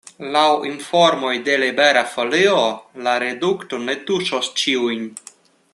Laŭ informoj de Libera Folio la redukto ne tuŝos ĉiujn.